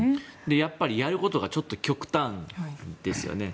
やっぱりやることがちょっと極端ですよね。